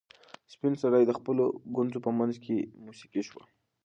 سپین سرې د خپلو ګونځو په منځ کې موسکۍ شوه.